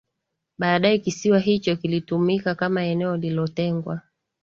Baadae kisiwa hicho kilitumika kama eneo lilotengwa